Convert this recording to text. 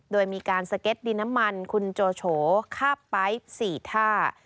โดยมีการสเก็ตดินน้ำมันคุณโจโฉคาบไป๊๔ท่า